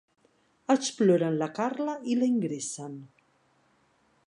Exploren la Carla i la ingressen.